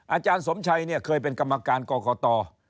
อาจารย์สมชัยเนี่ยเคยเป็นกรรมการกรกต